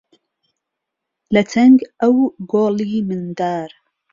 له چهنگ ئهو گۆڵی مندار